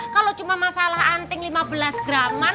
kalo cuma masalah anting lima belas graman